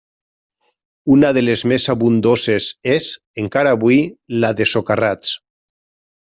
Una de les més abundoses és, encara avui, la de Socarrats.